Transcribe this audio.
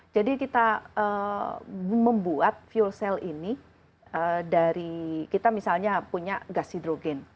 jadi kita membuat fuel cell ini dari kita misalnya punya gas hidrogen